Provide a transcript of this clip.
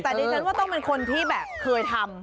แต่ดิฉันว่าต้องเป็นคนที่แบบเคยทำ